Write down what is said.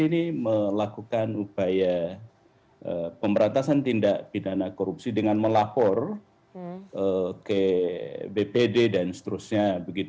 ini melakukan upaya pemberantasan tindak pidana korupsi dengan melapor ke bpd dan seterusnya